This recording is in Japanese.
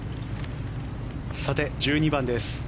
さて、１２番です。